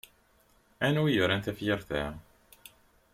Anwa i yuran tafyirt a?